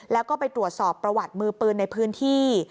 แล้วก็ไปตรวจสอบประวัติมือปืนในพื้นที่